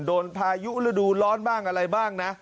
พายุฤดูร้อนบ้างอะไรบ้างนะ